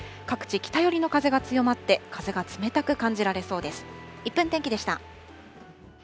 各地、北寄りの風が強まって、風が冷たく感じられそうです。